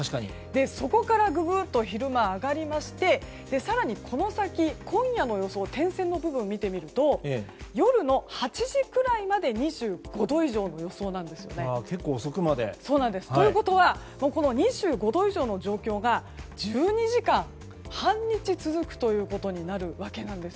そこからググっと昼間、上がりまして更にこの先、今夜の予想点線の部分を見てみると夜８時くらいまで２５度以上の予想なんです。ということは２５度以上の状況が１２時間、半日続くということになるわけです。